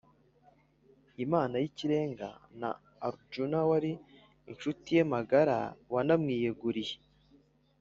imana y’ikirenga, na arijuna wari incuti ye magara yanamwiyeguriye